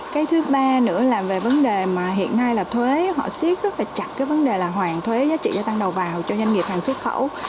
cái thứ ba nữa là về vấn đề mà hiện nay là thuế họ siết rất là chặt cái vấn đề là hoàn thuế giá trị gia tăng đầu vào cho doanh nghiệp hàng xuất khẩu